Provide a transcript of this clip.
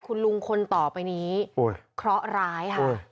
คุณลุงคนต่อไปนี้เคราะห์ร้ายค่ะ